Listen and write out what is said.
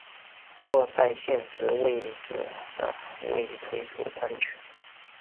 不过在现时为止暂未推出单曲。